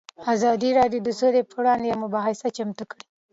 ازادي راډیو د سوله پر وړاندې یوه مباحثه چمتو کړې.